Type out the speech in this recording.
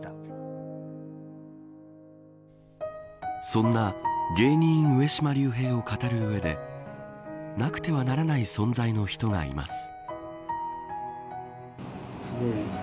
そんな芸人上島竜兵を語る上でなくてはならない存在の人がいます。